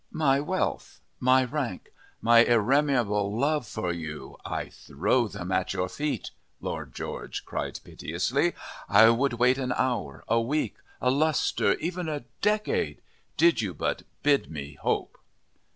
"My wealth, my rank, my irremeable love for you, I throw them at your feet," Lord George cried piteously. "I would wait an hour, a week, a lustre, even a decade, did you but bid me hope!"